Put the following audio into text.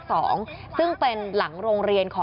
กระทั่งตำรวจก็มาด้วยนะคะ